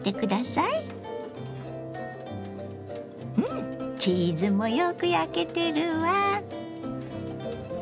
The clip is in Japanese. うんチーズもよく焼けてるわ！